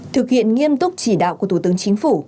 thực hiện nghiêm túc chỉ đạo của thủ tướng chính phủ